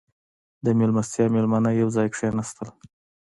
• د میلمستیا مېلمانه یو ځای کښېناستل.